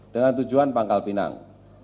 dengan tujuan pangkal pinang